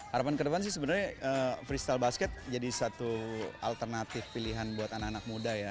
harapan ke depan sih sebenarnya freestyle basket jadi satu alternatif pilihan buat anak anak muda ya